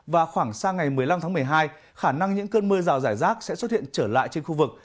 và khoảng sang ngày một mươi năm tháng một mươi hai khả năng những cơn mưa rào rải rác sẽ xuất hiện trở lại trên khu vực